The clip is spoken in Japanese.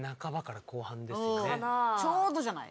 ちょうどじゃない？